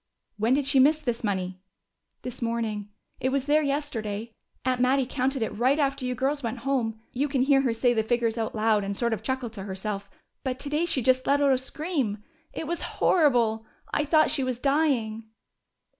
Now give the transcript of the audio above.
"When did she miss this money?" "This morning. It was there yesterday. Aunt Mattie counted it right after you girls went home. You can hear her say the figures out loud and sort of chuckle to herself. But today she just let out a scream. It was horrible! I thought she was dying."